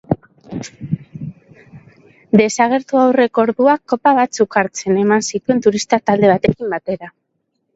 Desagertu aurreko orduak kopa batzuk hartzen eman zituen turista talde batekin batera.